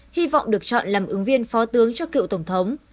hy vọng được chọn làm ứng viên phó tướng cho cựu tổng thống